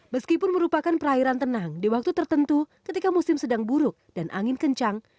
meskipun merupakan perairan tenang di waktu tertentu ketika musim sedang buruk dan angin kencang